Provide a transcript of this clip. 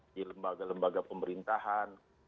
di lembaga lembaga pemerintahan